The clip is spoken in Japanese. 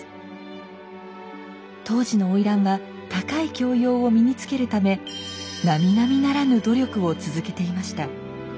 当時の花魁は高い教養を身につけるためなみなみならぬ努力を続けていました。